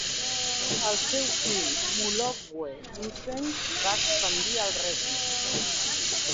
El seu fill "Mulopwe" Luseeng va expandir el regne.